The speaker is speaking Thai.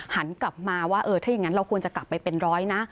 หันกลับมาว่าเออถ้าอย่างนั้นเราควรจะกลับไปเป็นร้อยนะ